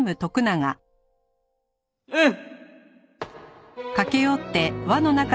うん！